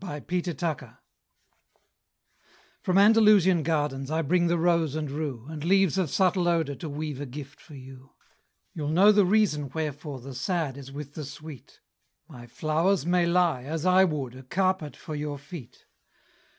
A Spanish Love Song From Andalusian gardens I bring the rose and rue, And leaves of subtle odour, To weave a gift for you. You'll know the reason wherefore The sad is with the sweet; My flowers may lie, as I would, A carpet for your feet!